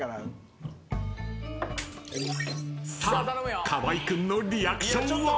［さあ河合君のリアクションは？］